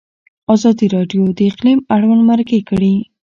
ازادي راډیو د اقلیم اړوند مرکې کړي.